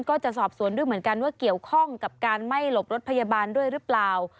ก็จะสอบสวนด้วยเหมือนกันว่าเกี่ยวข้องกับการไม่หลบรถพยาบาลด้วยหรือเปล่า